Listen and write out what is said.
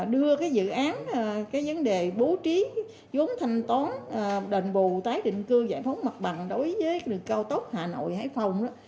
đưa dự án vấn đề bố trí vốn thanh toán đền bù tái định cư giải phóng mặt bằng đối với cao tốc hà nội hải phòng